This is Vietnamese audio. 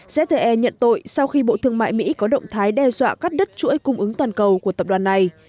jte nhận tội sau khi bộ thương mại mỹ có động thái đe dọa cắt đứt chuỗi cung ứng toàn cầu của tập đoàn này